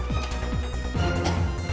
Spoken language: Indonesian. gua ngerjain dia